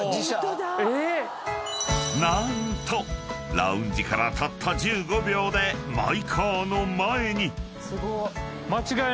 ［何とラウンジからたった１５秒でマイカーの前に］